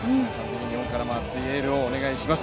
日本からも熱いエールをお願いします。